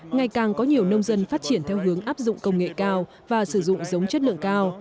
ngày càng có nhiều nông dân phát triển theo hướng áp dụng công nghệ cao và sử dụng giống chất lượng cao